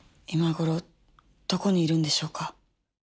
今ごろどこにいるんでしょうか。